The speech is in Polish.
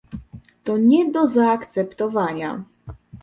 To nie do zaakceptowania